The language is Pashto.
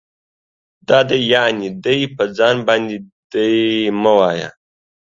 دا دی يعنې دے په ځای باندي دي مه وايئ